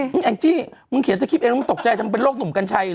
นี่แอ่งจี้มึงเขียนสภิกษ์เองมึงตกใจทำเป็นโรคหนุ่มกันชัยเหรอ